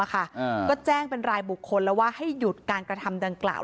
ก็แจ้งเป็นรายบุคคลแล้วว่าให้หยุดการกระทำดังกล่าว